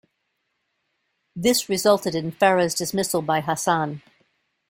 This resulted in Farah's dismissal by Hassan.